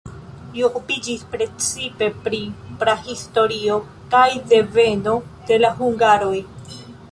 Li okupiĝis precipe pri prahistorio kaj deveno de la hungaroj.